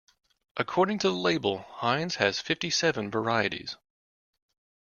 According to the label, Heinz has fifty-seven varieties